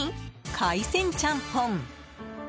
海鮮ちゃんぽん。